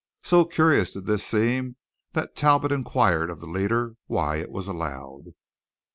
So curious did this seem that Talbot inquired of the leader why it was allowed.